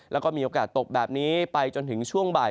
แล้วก็มีโอกาสตกแบบนี้ไปจนถึงช่วงบ่าย